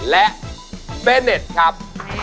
และเบเน็ตครับ